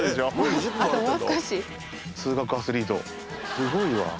すごいわ。